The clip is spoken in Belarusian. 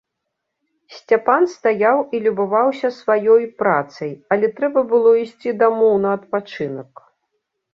Сцяпан стаяў і любаваўся сваёй працай, але трэба было ісці дамоў на адпачынак.